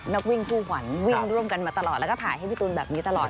นักวิ่งคู่ขวัญวิ่งร่วมกันมาตลอดแล้วก็ถ่ายให้พี่ตูนแบบนี้ตลอด